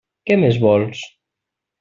Què més vols?